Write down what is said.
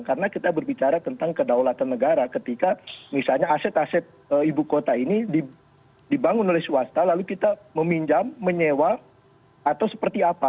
karena kita berbicara tentang kedaulatan negara ketika misalnya aset aset ibu kota ini dibangun oleh swasta lalu kita meminjam menyewa atau seperti apa